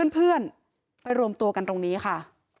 เพื่อนไปรวมตัวกันตรงนี้ค่ะ